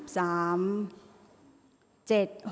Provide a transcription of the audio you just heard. ออกรางวัลที่๖เลขที่๗